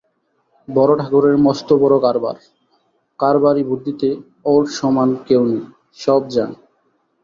বড়োঠাকুরের মস্তবড়ো কারবার, কারবারি বুদ্ধিতে ওঁর সমান কেউ নেই, সব জানি।